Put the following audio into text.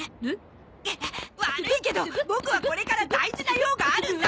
悪いけどボクはこれから大事な用があるんだ！